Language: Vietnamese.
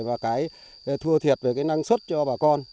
và cái thua thiệt về cái năng suất cho bà con